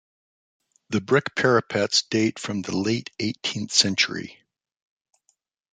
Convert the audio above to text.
The brick parapets date from the late eighteenth century.